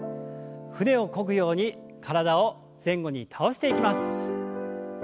船をこぐように体を前後に倒していきます。